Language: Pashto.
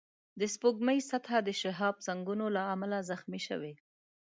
د سپوږمۍ سطحه د شهابسنگونو له امله زخمي شوې